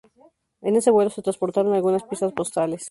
En ese vuelo se transportaron algunas piezas postales.